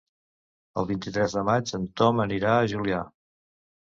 El vint-i-tres de maig en Tom anirà a Juià.